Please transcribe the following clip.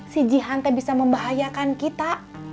si jihan teh bisa membahayakan kita